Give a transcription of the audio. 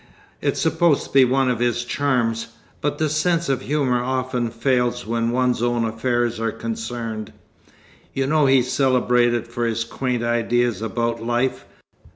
It's supposed to be one of his charms. But the sense of humour often fails where one's own affairs are concerned. You know he's celebrated for his quaint ideas about life.